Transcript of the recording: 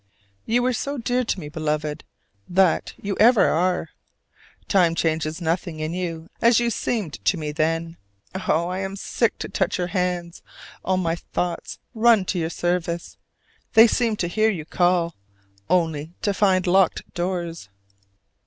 You were so dear to me, Beloved; that you ever are! Time changes nothing in you as you seemed to me then. Oh, I am sick to touch your hands: all my thoughts run to your service: they seem to hear you call, only to find locked doors.